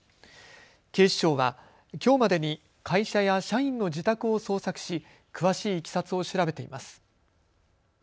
警視庁はきょうまでに会社や社員の自宅を捜索し詳しいいきさつを調べています。